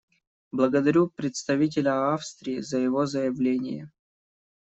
Благодарю представителя Австрии за его заявление.